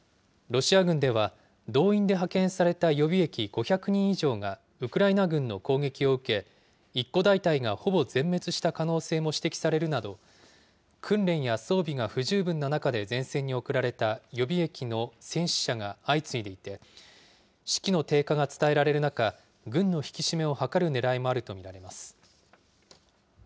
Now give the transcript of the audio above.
ロシア軍では、動員で派遣された予備役５００人以上がウクライナ軍の攻撃を受け、一個大隊がほぼ全滅した可能性も指摘されるなど、訓練や装備が不十分な中で前線に送られた予備役の戦死者が相次いでいて、士気の低下が伝えられる中、軍の引き締めを図るねらいもあると見られます。